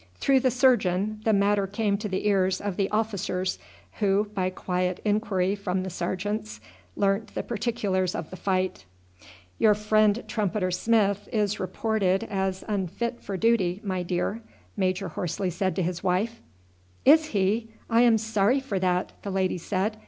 Through the surgeon the matter came to the ears of the officers, who, by quiet inquiry from the sergeants, learnt the particulars of the fight. "Your friend Trumpeter Smith is reported as unfit for duty, my dear," Major Horsley said to his wife. "Is he! I am sorry for that," the lady said.